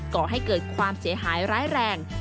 ก่อให้เกิดความเสียหายร้ายแรง